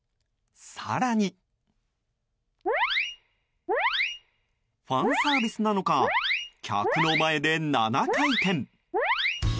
更にファンサービスなのか客の前で７回転。